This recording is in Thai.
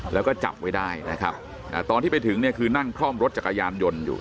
แล้วก็จับไว้ได้นะครับตอนที่ไปถึงเนี่ยคือนั่งคล่อมรถจักรยานยนต์อยู่